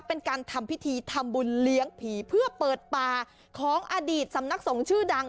เป็นการทำพิธีทำบุญเลี้ยงผีเพื่อเปิดป่าของอดีตสำนักสงฆ์ชื่อดัง